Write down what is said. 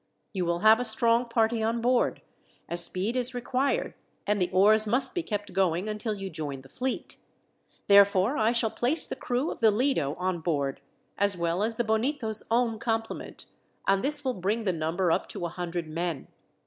"You will have a strong party on board, as speed is required, and the oars must be kept going until you join the fleet. Therefore I shall place the crew of the Lido on board as well as the Bonito's own complement, and this will bring the number up to a hundred men.